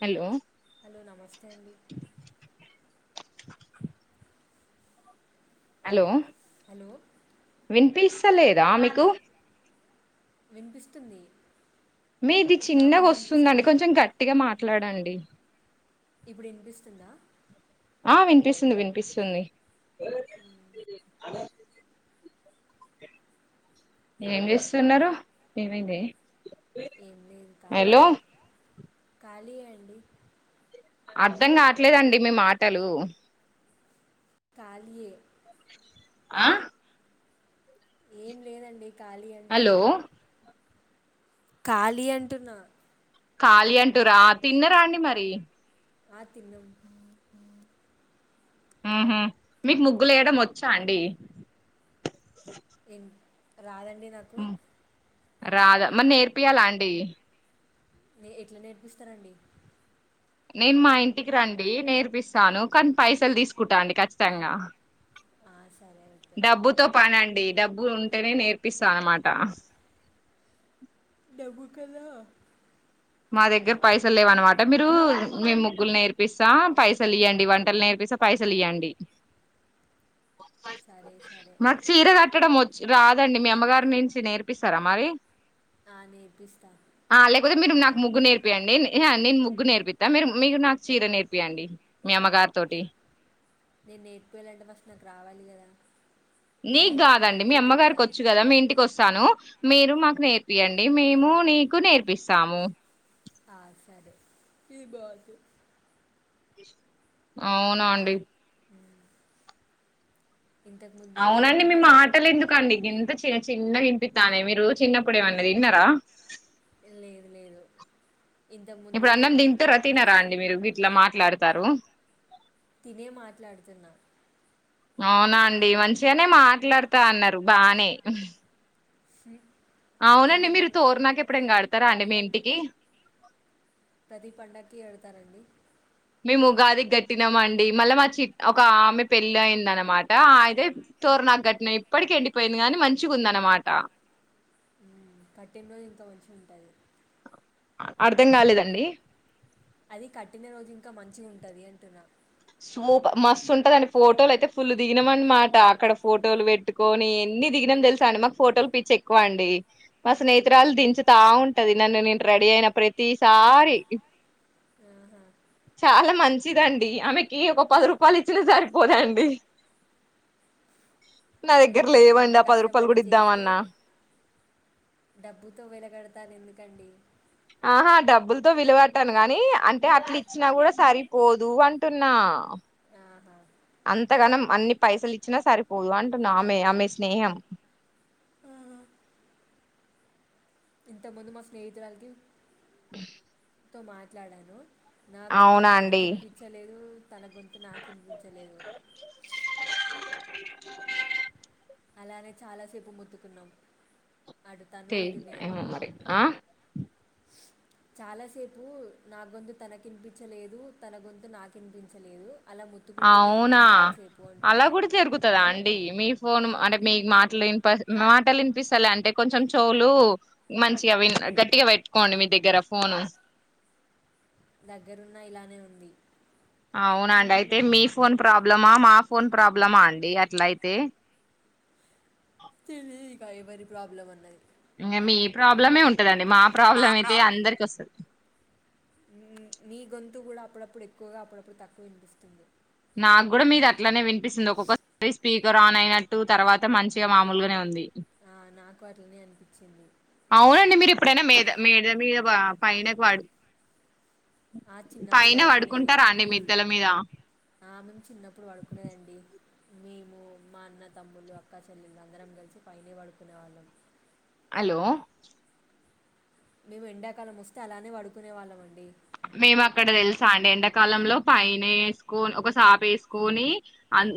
Hello hello నమస్తే అండి hello hello విన్పిల్స్ సలేదా ఆమెకు వినిపిస్తుంది మీది నా చిన్నగా గొంతు వస్తుందండి వినిపిస్తుందా కొంచెం గట్టిగా మాట్లాడండి ఇప్పుడు వినిపిస్తుందా ఆ వినిపిస్తుంది వినిపిస్తుంది ఏం చేస్తున్నారు ఏమైంది హలో ఖాళీయ అండి అర్ధం కావట్లేదండి మీ మాటలు కాలే ఆ ఏం లేదండి ఖాళీ అంటున్నా హలో ఖాళీ అంటున్నా ఖాళీ అంటూరా తిన్నరా అండి మరి మా తిన ఉహ మీకు ముగ్గులుేయడం వచ్చా అండి ఏం రాదండి అండి నాకు రాదా మరి నేర్పియాల అండి న ఎట్లా నేర్పిస్తారంండి నేను మా ఇంటికి రండి నేర్పిస్తాను కానీ పైసలు తీసుకుంటా అండి ఖచ్చితంగా ఆ, సరే అయితే డబ్బుతో పనండి డబ్బులు ఉంటేనే నేర్పిస్తా అన్నమాట డబ్బు కదా అంట మీరు నేను ముగ్గులు నేర్పిస్తా పైసలు ఇయ్యండి వంటలు నేర్పిస్తా పైసలు ఇయ్యండి సరే సరే మాకు చీర కట్టడం వ రాదండి మీ అమ్మగారి నుంచి నేర్పిస్తారా మరి ఆ నేర్పిస్తా ఆ లేకపోతే మీరు ముగ్గు నేర్పిచండి నేను ముగ్గు నేర్పిస్తా మీరు మీరు నాకు చీర నేర్పియంండి మీ అమ్మగారి తోటి నేను నేచపోయలాంటే ఫస్ట్ నాకు రావాలి కదా నేను నీకు కాదండి నేర్చుకున్నాక మీ మీకు అమ్మగారికి చెప్తా వచ్చు కదా మీ ఇంటికి వస్తా స్తాను మీరు మాకు నేర్పియంండి మేము నీకు నేర్పిస్తాము ఆ సరే తీ బతు అవునాడి ఇంతకుముందు మా అవునండి ఫ్రెండ్ మీ మాటలు ఎందుకండి ఇంత చే చిన్నగా వినిపిత్తనాయి మీరు చిన్నప్పుడు ఏమన్న తిన్నరా లేదు లేదు ఇంతకుముందు ఇప్పుడు అన్నం తింటూ ర తినా మస్ అండి మీరు ఇట్లా మా మాట్లాడతారు తినే మాట్లాడుతున్నా అవునా అండి మంచిగానే మాట్లాడుతా అన్నారు బానే సి అవునండి మీరు తోరు నాక ఎప్పుడేం కాడత స్తారా అండి మీ ఇంటికి ప్రతి పండగకి వెళ్తారంండి మీముగాదికి గట్టినాం అండి మళ్ళీ మా చి ఒక ఆమె పెళ్ళి అయింది అనమాట అయిదతే తోరు నాకు గట్టిన ఇప్పటికి ఎండిపోయింది గాని మంచిగా ఉంద అనమాట కట్టినరోజు ఇంత మంచిి ఉంటాది అర్ధం కాలేదండి అది కట్టిన రోజు ఇంకా మంచిగా ఉంటది అంటున్నా సూపర్ మస్తు ఉంటదండి ఫోటోలు అయితే ఫుల్ దిగినాం అనమాట అక్కడ ఫోటోలు పెట్టుకొని ఎన్ని దిగినా తెలుసా అండి మాకు ఫోటోలు పిచ్చి ఎక్కువ అండి మా స్నేహితురాలు దించుతా ఉంటది నన్ను నేను రెడీ అయిన ప్రతిసారి ఆహా చాలా మంచిదండి ఆమె ఈ ఒక పది రూపాయలు ఇచ్చిన సరిపోదాండి నా దగ్గర మీకోసం అంత లేవండి ఆ పది రూపాయలు కష్టపడి కూడా ఇద్దామ చేస్తే అన్నా డబ్బుతో వెలగడతను ఎందుకండి ఆహా డబ్బులతో విలువట్టాను గానీ అంటే అట్లు ఇచ్చినా కూడా సరిపోదు అంటున్నా ఆహా అంతగానం అన్ని పైసలు ఇచ్చినా సరిపోదు అంటున్నా ఆమె ఆమె స్నేహం ఆహా. ఇంతముందు మా స్నేహితురాలకి తో మాట్లాడాను నా గొంతు అవునా తనకి అండి ఇనిపించలేదు తన గొంతు నాకు ఇనిపించలేదు అలానే చాలాసేపు మొత్తుకున్నాం తే ఏమో మరి ఆ చాలాసేపు నా గొంతు తనకినిపించలేదు తన గొంతు నాకు వినిపించలేదు అలా ముత్తుకుంటూనే ఉన్నాం అవునా చాలాసేపు అలా అంటున్నా కూడా తిరుగుతదా అండి మీ ఫోను అంటే మీ మాటలు వినిప మాటలు వినిపిస్తలే అంటే కొంచెం చోలు మంచిగా విన్ గట్టిగా పెట్టుకోండి మీ దగ్గర ఫోను దగ్గరున్న ఇలానే ఉంది అవునండి అయితే మీ ఫోన్ ప్రాబ్లమా మా ఫోన్ ప్రాబ్లమా అండి అట్ల అయితే తెలీదు ఇక ఎవరి ప్రాబ్లమ్ అన్నది ఇ మీ ప్రాబ్లమే ఉంటదండి అే మా ప్రాబ్లం అయితే అందరికి వస్తాది మీ గొంతు కూడా అప్పుడప్పుడు ఎక్కువగా అప్పుడప్పుడు తక్కువ వినిపిస్తుంది నాకు కూడా మీది అట్లానే వినిపిస్తుంది ఒక్కొక్కసారి స్పీక్ గ ఆన్ అయినట్టు తర్వాత మంచిగా మామూలుగానే ఉంది ఆ నాకు అట్లనే అనిపించింది ఇప్పుడైనా మేద మేద మీద పైనకు వడు ఆ చిన్నప్పుడు పైన పడుకునేది పడుకుంటారా అండి మిద్దల మీద ఆ మేము చిన్నప్పుడు పడుకునేదండి మేము మా అన్న తమ్ములు అక్కా చెల్లెళ్ళు అందరం కలిసి పైనే పడుకునే వాళ్ళం హలో మేము ఎండాకాలం వస్తే అలానే పడుకునే వాళ్ళం అండి మేము అక్కడ తెలుసా అండి ఎండాకాలంలో పైన వేసుకోొని ఒక సాప వేసుకొని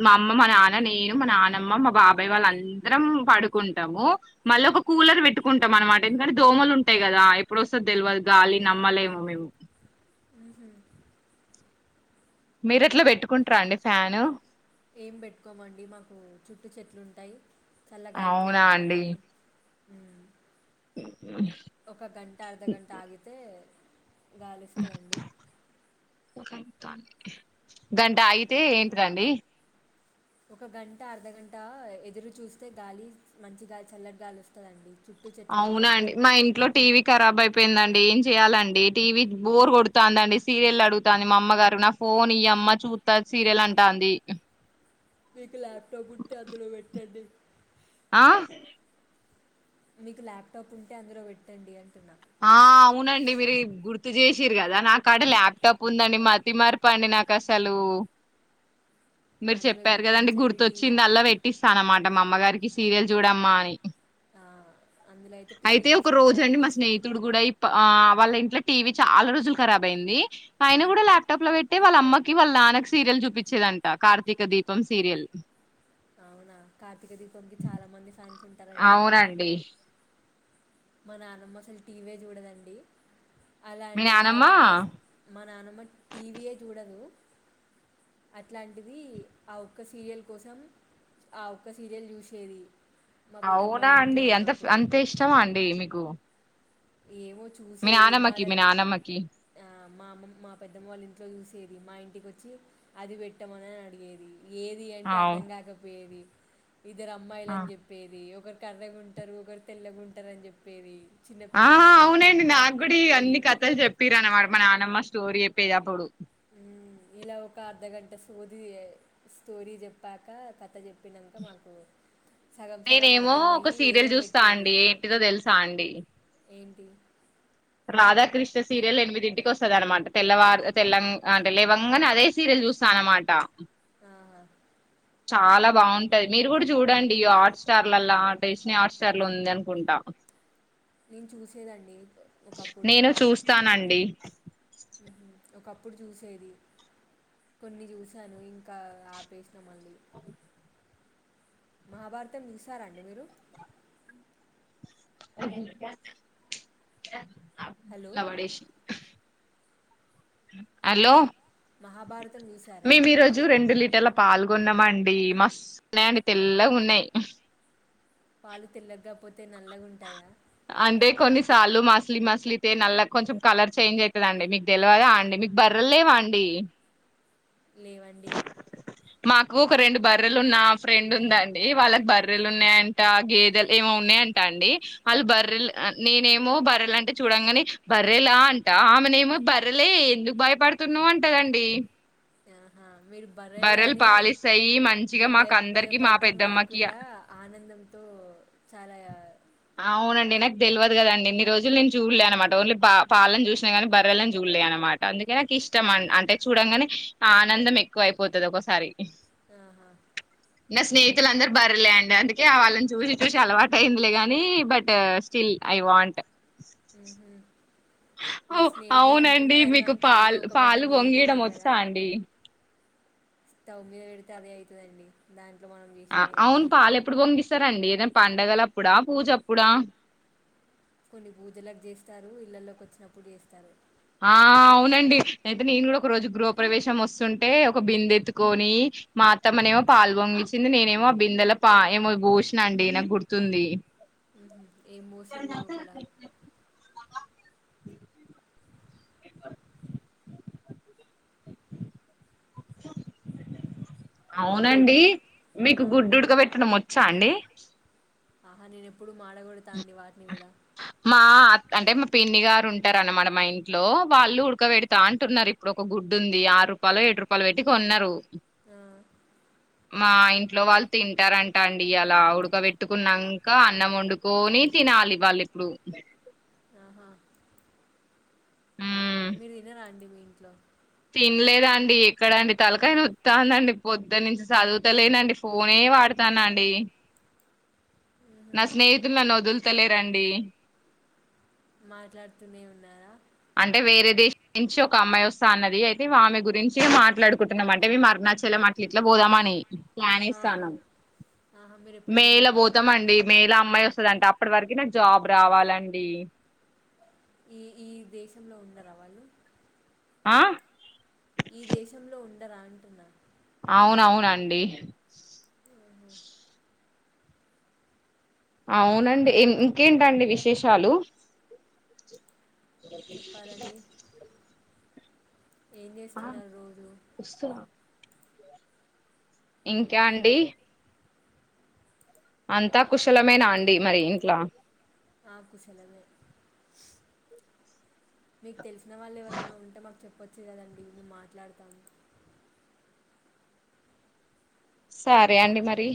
మా అమ్మ మా నాన్న నేను మా నానమ్మ మా బాబాయ్ వాళ్ళ అందరం పడుకుంటాము మళ్ళీ ఒక కూలర్ పెట్టుకుంటాం అన్నమాట ఎందుకంటే దోమలు ఉంటాయి కదా ఎప్పుడు వస్తాదో తెలువదు గాలి నమ్మలేము మేము మీరు ఎట్లా పెట్టుకుంటార అండి ఫ్యాను ఏం పెట్టుకోమండి మాకు చుట్టు చెట్లుంటాయి చల్లగాలితో అవునా అండి సరిపోతది హు ఒక గంట అర్ధగంట ఆగితే గాలోస్తదండి గంట అగితే ఏంటిదండి ఒక గంట అర్ధగంట ఎదురు చూస్తే గాలి మంచి గాలి చల్లటి గాలి వస్తదండి అవున అండి మా ఇంట్లో టీవీ కరాబ్ అయిపోయిందం డి ఏం చెయాలండి టీవీ బోర్ కొడుతందండి సీరియల్ అడుగుతంది మా అమ్మ గారు నా ఫోన్ ఇయ్యమ్మ చూత్త సీరియల్ అంటాంది మీకు ల్యాప్టాప్ ఉంటే అందులో పెట్టండి ఆ మీకు ల్యాప్టాప్ ఉంటే అందులో పెట్టండి అంటున్నా ఆ అవునండి మీరు గుర్తు చేసిరు కదా నాకడ ల్యాప్టాప్ ఉందండి మతిమారుపండి నాకు అసలు మీరు అందులో చెప్పారు కదండి చూపించండి టీవీ గుర్తుొచ్చింది అల్లా పెట్టిస్తాన్నమాట్ టే అమ్మగారికి సీరియల్ చూడమ్మా అని ఆ, అందులో టీవీ అయితే ఒక చూసినట్టే రోజు అండి మా అనిపిస్తుంది స్నేహితుడు కూడా ఇ ఆ వాళ్ళ ఇంట్ల టీవీ చాలా రోజులు ఖరాబ్ అయింది ఆ, ఆయన కూడా ల్యాప్టాప్ లో పెట్టటి వాళ్ళ అమ్మ వాళ్ళ నాన్నకి సీరియల్ చూపించేదంట కార్తీక దీపం సీరియల్ అవునా కార్తీక దీపానికి చాలా మంది ఫ్యాన్స్ ఉంటారండి అవునండి మా నాన్నమ్ అసలు టీవీ చూడదండి మీ అలాంటిద దా ఆ నానమ్మ అజ్ అజ్ మా నానమ్మ టీవీయే చూడదు అట్లాంటిది ఆ ఒక్క సీరియల్ కోసం ఆ ఒక్క సీరియల్ చూసేది మా పెద్దమ్మ అవునా వాళ్ళ ఇంట్లో అండి అంత ఉన్నప్పుడు అంత ఇష్టమా అండి మీకు ఏమో మీ చూసేది మా నానమ్మకి దగ్గ మీ నానమ్మకి మా అమ్మ మా పెద్దమ్మ వాళ్ళ ఇంట్లో చూసేది మా ఇంటికి వచ్ వచ్చి అది పెట్టమని అని అడిగేది ఏది అంటే అవు అర్థం కాకపోయేది ఇద్దరు ఆ అమ్మాయిలని చెప్పేది ఒకర్ కరదగాంటారు ఒకరు తెల్లగాంటారు అని చెప్పేది ఆ చిన్నపిల్లలు అనేది అవునండి నా డాక్టర్ గుడి అనేది అన్ని కథలు చెప్పర అనమాట మా నానమ్మ స్టోర్ యాప్ యాపుడు ఇలా ఒక అర్ధగంట సోది స్టోరీ చెప్పాక కథ చెప్ చెప్పినాక మాకు సగం సగం నేనేమో అర్థం ఒక అయ్యి సీరియల్ ఏదో చూస్తా పెట్టేది అండి ఏంటిదో తెలుసా అండి ఏంటి రాధాకృష్ణ సీరియల్ ఎనిమిదింటికి వస్తంది అనమాట తెల్లవ తెల అంటలవంగానే అదే సీరియల్ చూస్తా అన్నమాట ఆహా, చాలా బాగుంటది మీరు కూడా చూడండి హాట్ స్టార్లల్ల డిస్ని హాట్ స్టార్ లో ఉంది అనుకుంటా నేను చూస్తానండి [inaudible] మ్మ్. ఒకప్పుడు చూసేది కొన్ని చూసాను ఇంకా ఆపేసిన మళ్ళ అవు మహాభారతం చసారంండి మీరు అ ఆ హలో పిల్ల వడేసి హలో మహాభారతం చూశారా పాల్గొన్నమండి మస్తున్నాయిడి తెల్లగా ఉన్నాయి పాలు తెల్లగగాపోతే నల్లగా ఉంటాయా అంటే కొన్నిసలు మసలి మసలితే నల్ల కొంచెం కలర్ చేంజ్ అవుతుంది అండి మీకు తెలివదా అండి మీకు బర్రలేవా అండి లేవండి మాకు ఒక రెండు బర్రెలు ఉన్న ఫ్రెండ్ ఉందండి వాళ్ళకి బర్రెలు ఉన్నాయంట గేదెలు ఏమో ఉన్నాయంట అండి వాళ్ళు బర్రెలు నేనేమో బర్రెలు అంటే చూడంంగాని బర్రెలా అంట ఆమెను ఏమో బర్రలే ఎందుకు భయపడుతున్నావు అంటదండి ఆహా మీరు బర్రలే బర్రెలు అని పాలిస్తాయి మంచిగా భయ మాకు అందరికి మా భయపడ్డం పెద్దమ్మకి కాకుండా ఆనందంతో చాలా అవునండి నాకు తెలియదు కదండి ఇన్ని రోజులు నేను చూడలే అనమాట ఓన్లీ బ పాలను చూసినా గానీ బర్రలను చూడలే అనమాట అందుకే నాకు ఇష్టం అం అంటే చూడగానే ఆనందం ఎక్కువ అయిపోతుంది ఒకసారి ఆహా నా స్నేహితులందర్ బర్రెలె అండి అందుకే వాళ్ళని చూసి చూసి అలవాటైందిలే గా నీ బట్ స్టిల్ ఐ వాంట్ హ్ హ్ అవు అవునండి మీకు అంటే అందులో పాల్ ఒక బర్రె పాలు మీరు కూడా పొంగీయడం కదా వచ్చా అండి స్టవ్ మీద పెడితే అదే అయితదండి. బ్యాం ఆ అవును పాలు ఎప్పుడు పొంగిస్తా వస్తారంండి ఏనా పండగల అప్పుడా పూజ అప్పుడా కొన్ని పూజలకు చేస్తారు ఇళ్లల్లోకి వచ్చినప్పుడు చేస్తారు ఆ అవునండి అయితే నేను కూడా ఒక రోజు గృహ ప్రవేశం వస్తుంటే ఒక బిందె ఎత్తుకొని మా అత్తమ్మనే ఏమో పాల్ పొంగించింది నేనేమో ఆ బిందెలా పా ఏమో బూషిన అండి నాకు గుర్తుంది హాహ ఏ మోసిలు లోపల హలో అవునండి ఆ, మీకు గుడ్డుడుక పెట్టడం వచ్చా అండి ఆహా నేన్ ఎప్పుడు మాడగొడతా అండి వాటిని గుడ మా అ అంటే మా పిన్ని గారు ఉంటారన్నమాట మా ఇంట్లో వాళ్ళు ఉడకబెడతా అంటున్నారు ఇప్పుడు ఒక గుడ్డు ఉంది ఆరు రూపాలో ఏడు రూపాలో పెట్టి కొన్నరు. ఆ మా ఇంట్లో వాళ్ తింటారంట అండి ఇయాల ఉడకబెట్టుకున్నంక అన్నం వండుకోని తినాలి వాల్ ఇప్పుడు ఆహా మీరు తినరా రండి మీ ఇంట్లో తిన్లేదండి ఎక్కడండి తలకాయ నొత్తాండండి పొద్దన్నుంచి చదువుతలేనండి ఫోనే వాడ్తాన్న అండి. మ్హూ. నా స్నేహితులు నన్ను వదులుతలేరండి మాట్లాడ్తూనే ఉన్నారా అంటే వేరే దేశం నుంచి ఒక అమ్మాయి వస్తా అన్నది. అయితే ఆమె గురించి మాట్లాడుకుంటున్నాం అంటే మేం అరుణాచలం అట్ల ఇట్లా పోదామని ప్లాన్ ఆహా ఏస్తాన్నం. ఆహా మీరు ఎప్పుడు మే ల వెళ్ళలేదా పోతం అండి మేల అమ్మాయి వ స్త దంట అప్పట్ వరకి నాక్ జాబ్ రావాలండి ఈ ఈ దేశంలో ఉండర వాళ్ళు ఆ ఈ దేశంలో ఉండరా అంటున్నా అవునవునండి. అవునండి ఇంకేంటండి విశేషాలు చెప్పాలండి ఏం చేస్తున్నారు రోజూ ఇంకా అండి అంతా కుశలమేనా అండి మరి ఇంట్లా ఆ కుశలమే మీక్ తెల్సిన వాళ్ళు ఎవరన్న ఉంటే మాకు చెప్పొచ్చు కదండి మేం మాట్లాడ్తాం సరే అండి మరి